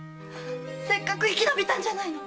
せっかく生き延びたんじゃないの‼